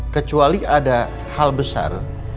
kecuali ada hal besar